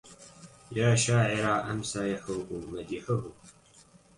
يا شاعرا أمسى يحوك مديحه